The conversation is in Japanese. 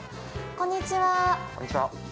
こんにちは。